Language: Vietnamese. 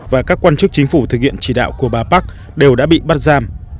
và các quan chức chính phủ thực hiện chỉ đạo của bà park đều đã bị bắt giam